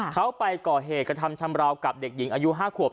เขาไปก่อเหตุกระทำชำราวกับเด็กหญิงอายุ๕ขวบ